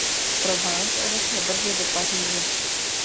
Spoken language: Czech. Z Provence odešel brzy do Paříže.